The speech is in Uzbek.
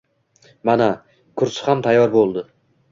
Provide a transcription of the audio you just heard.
Mana, kursi ham tayyor bo`ldi